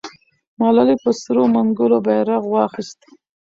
ملالۍ په سرو منګولو بیرغ واخیست.